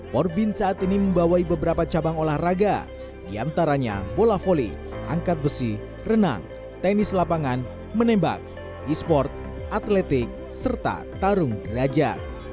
porbin saat ini membawa beberapa cabang olahraga diantaranya bola volley angkat besi renang tenis lapangan menembak esports atletik serta tarung deraja